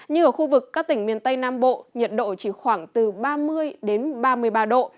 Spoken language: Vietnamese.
như ở khu vực các tỉnh miền tây nam bộ nhiệt độ chỉ khoảng từ ba mươi đến ba mươi ba độ